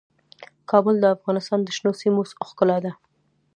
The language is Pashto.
کابل د افغانستان د شنو سیمو ښکلا ده.